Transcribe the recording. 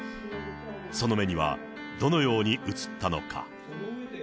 その目には、どのように映ったのか。